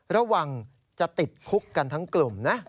ระวังจะติดคุกกันทั้งกลุ่มนะ